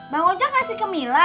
bang ojek ngasih ke mila